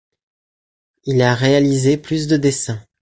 Il a réalisé plus de dessins.